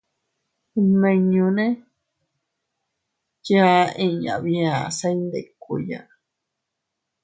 Nmiñune yaa inña bia se iyndikuiya.